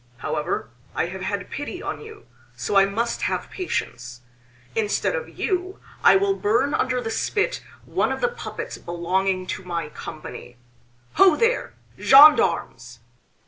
However, I have had pity on you, so I must have patience. Instead of you I will burn under the spit one of the puppets belonging to my company. Ho there, gendarmes!"